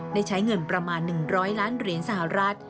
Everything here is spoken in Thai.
ได้ใช้เงินประมาณ๑๐๐ล้านเหรียญสหรัฐ